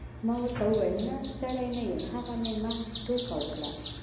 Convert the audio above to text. ما ورته وویل نه ستړی نه یم هغه مې محض ټوکه وکړه.